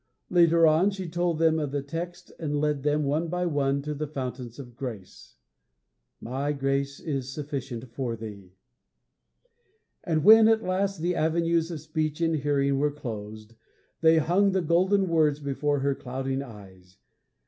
Later on, she told them of the text and led them, one by one, to the fountains of grace. 'My grace is sufficient for thee.' And when, at last, the avenues of speech and hearing were closed, they hung the golden words before her clouding eyes.